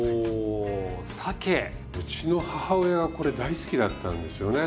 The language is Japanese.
うちの母親がこれ大好きだったんですよね。